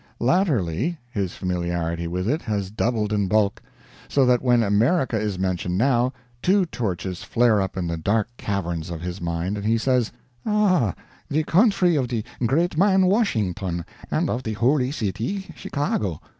Latterly his familiarity with it has doubled in bulk; so that when America is mentioned now, two torches flare up in the dark caverns of his mind and he says, "Ah, the country of the great man Washington; and of the Holy City Chicago."